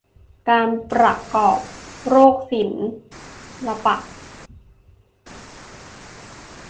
การประกอบโรคศิลปะ